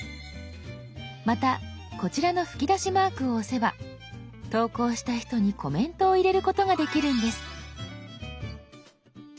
またこちらの吹き出しマークを押せば投稿した人にコメントを入れることができるんです。